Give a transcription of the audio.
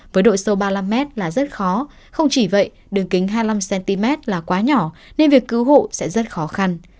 với độ sâu ba mươi năm m là rất khó không chỉ vậy đường kính hai mươi năm cm là quá nhỏ nên việc cứu hộ sẽ rất khó khăn